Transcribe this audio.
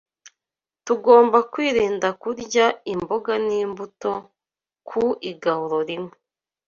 tugomba kwirinda kurya imboga n’imbuto ku igaburo rimwe